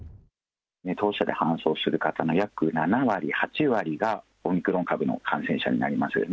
当社で搬送する方の約７割、８割が、オミクロン株の感染者になります。